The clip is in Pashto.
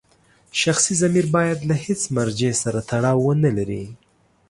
شخصي ضمیر باید له هېڅ مرجع سره تړاو ونلري.